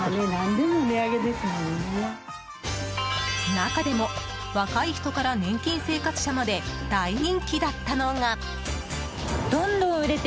中でも若い人から年金生活者まで大人気だったのが。